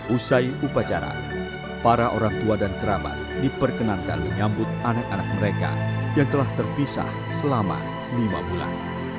usai upacara para orang tua dan kerabat diperkenankan menyambut anak anak mereka yang telah terpisah selama lima bulan